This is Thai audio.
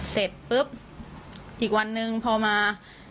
เสร็จปุ๊บอีกวันนึงพอมา